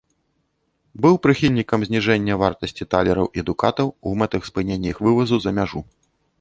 Быў прыхільнікам зніжэння вартасці талераў і дукатаў у мэтах спынення іх вывазу за мяжу.